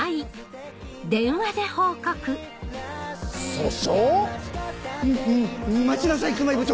訴訟⁉ん待ちなさい熊井部長！